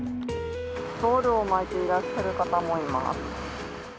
ストールを巻いていらっしゃる方もいます。